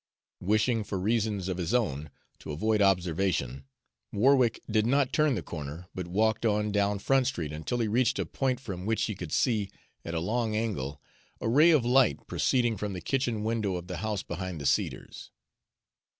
Wishing, for reasons of his own, to avoid observation, Warwick did not turn the corner, but walked on down Front Street until he reached a point from which he could see, at a long angle, a ray of light proceeding from the kitchen window of the house behind the cedars.